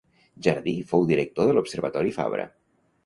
Jardí fou director de l'observatori Fabra.